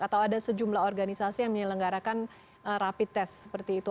atau ada sejumlah organisasi yang menyelenggarakan rapid test seperti itu